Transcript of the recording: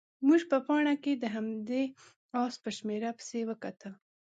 موږ په پاڼه کې د همدې اس په شمېره پسې وکتل.